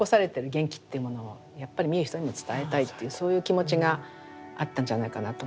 元気っていうものをやっぱり見る人にも伝えたいっていうそういう気持ちがあったんじゃないかなと思いますね。